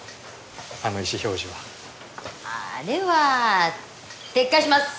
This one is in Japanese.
あの意思表示はああれは撤回します